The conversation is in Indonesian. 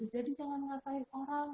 jadi jangan mengatakan orang